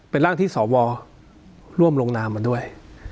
เป็นร่างที่สวร่วมลงนามมาด้วย